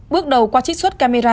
bước đầu qua trích xuất camera